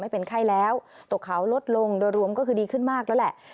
เป็นไข้แล้วตกเขาลดลงโดยรวมก็คือดีขึ้นมากแล้วแหละ